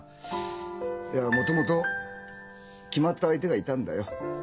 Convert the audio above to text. いやもともと決まった相手がいたんだよ。